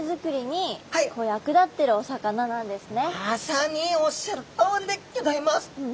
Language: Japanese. まさにおっしゃるとおりでギョざいます。